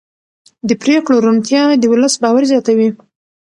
د پرېکړو روڼتیا د ولس باور زیاتوي